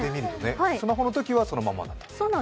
スマホのときはそのままなんだ。